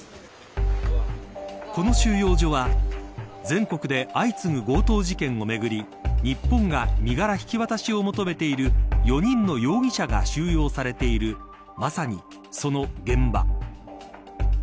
この収容所は、全国で相次ぐ強盗事件をめぐり日本が身柄引き渡しを求めている４人の容疑者が収容されているまさに、その現場。